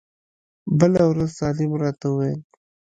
بله ورځ سالم راته وويل.